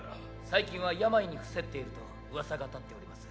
最近は病に臥せっていると噂が立っております。